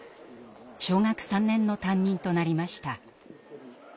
小学３年の担任となりました。